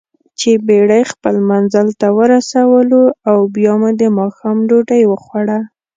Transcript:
چې بېړۍ خپل منزل ته ورسولواو بیا مو دماښام ډوډۍ وخوړه.